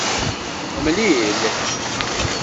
Mlil.